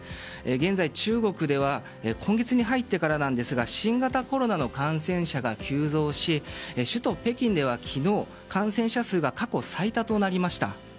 現在、中国では今月に入ってからなんですが新型コロナの感染者が急増し首都・北京では昨日、感染者数が過去最多となりました。